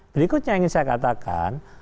berikutnya yang ingin saya katakan